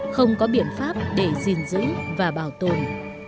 không có biện pháp để gìn giữ và bảo tồn